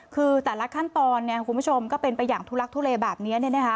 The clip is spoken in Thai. คือแต่ละขั้นตอนคุณผู้ชมก็เป็นไปอย่างทุลักทุเลแบบนี้